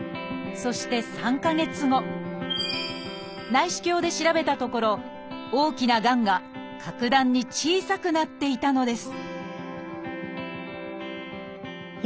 内視鏡で調べたところ大きながんが格段に小さくなっていたのです